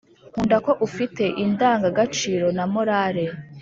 nkunda ko ufite indangagaciro na morale